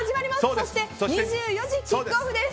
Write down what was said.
そして２４時キックオフです。